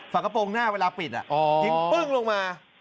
ฝากระโปรงหน้าเวลาปิดทิ้งปึ้งลงมา